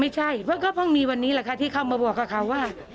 ไม่ใช่เพราะก็เพิ่งมีวันนี้แหละค่ะที่เข้ามาบอกกับเขาว่า